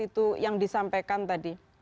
itu yang disampaikan tadi